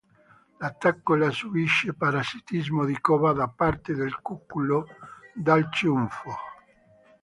La taccola subisce parassitismo di cova da parte del cuculo dal ciuffo.